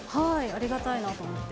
ありがたいなと思って。